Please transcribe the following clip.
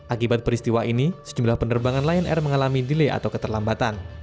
akibat peristiwa ini sejumlah penerbangan lion air mengalami delay atau keterlambatan